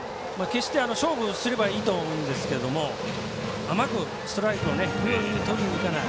勝負すればいいと思うんですけど甘くストライクをとりにいかない。